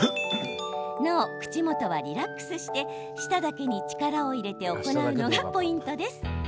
なお、口元はリラックスして舌だけに力を入れて行うのがポイントです。